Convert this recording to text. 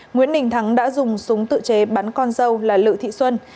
nguyễn đình thắng đã dùng súng tự chế bắn con dâu là lự thị xuân